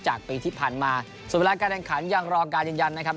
จากปีที่ผ่านมาส่วนเวลาการแข่งขันยังรอการยืนยันนะครับ